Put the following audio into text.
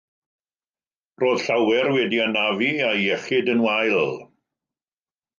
Roedd llawer wedi eu hanafu a'u hiechyd yn wael.